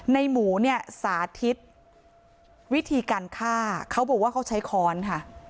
ในหมูเนี่ยสาธิตวิธีการฆ่าเขาบอกว่าเขาใช้ค้อนค่ะ